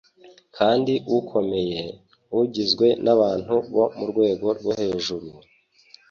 kandi ukomeye, ugizwe n'abantu bo mu rwego rwo hejuru,